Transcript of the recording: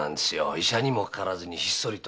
医者にもかからずにひっそりと。